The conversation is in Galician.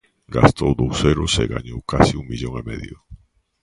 Gastou dous euros e gañou case un millón e medio.